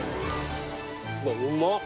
うわっうまっ！